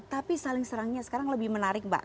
tapi saling serangnya sekarang lebih menarik mbak